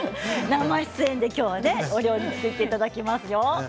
生出演で今日はお料理作っていただきますよ。